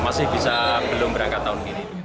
masih bisa belum berangkat tahun ini